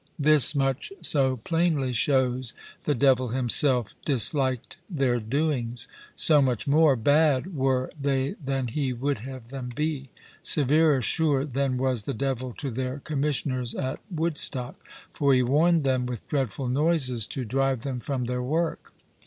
This much so plainly shows the devil himself dislikt their doings, (so much more bad were they than he would have them be,) severer sure than was the devil to their Commissioners at Woodstock; for he warned them, with dreadful noises, to drive them from their work.